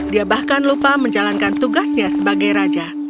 dia bahkan lupa menjalankan tugasnya sebagai raja